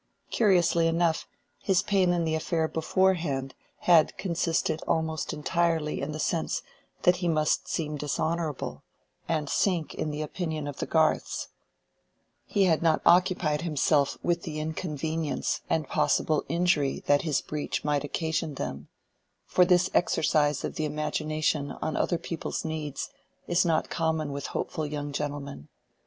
Curiously enough, his pain in the affair beforehand had consisted almost entirely in the sense that he must seem dishonorable, and sink in the opinion of the Garths: he had not occupied himself with the inconvenience and possible injury that his breach might occasion them, for this exercise of the imagination on other people's needs is not common with hopeful young gentlemen.